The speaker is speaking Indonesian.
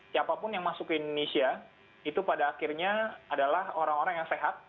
siapapun yang masuk ke indonesia itu pada akhirnya adalah orang orang yang sehat